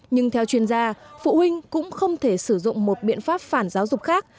nhưng theo chuyên gia phụ huynh cũng không thể sử dụng một biện pháp phản giáo dục khác